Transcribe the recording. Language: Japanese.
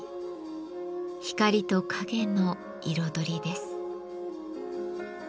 光と陰の彩りです。